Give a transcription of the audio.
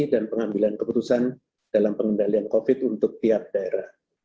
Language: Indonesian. dan pengambilan keputusan dalam pengendalian covid untuk tiap daerah